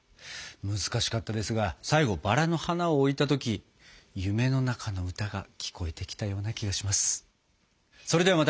難しかったですが最後バラの花を置いた時「夢の中の歌」が聞こえてきたような気がします。